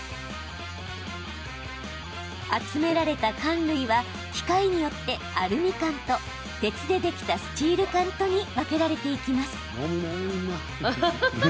集められた缶類は機械によって、アルミ缶と鉄でできたスチール缶とに分けられていきます。